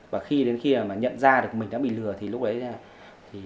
và khi đến khi mà nhận ra mình đã bị lừa thì lúc đấy